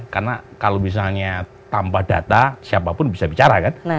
karena kalau misalnya tanpa data siapapun bisa bicara